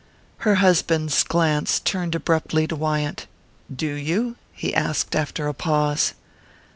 Her husband's glance turned abruptly to Wyant. "Do you?" he asked after a pause.